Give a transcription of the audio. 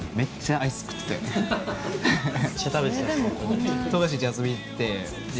めっちゃ食べてた。